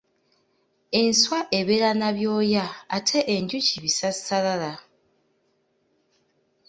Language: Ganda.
Enswa ebeera na byoya ate enjuki bisassalala.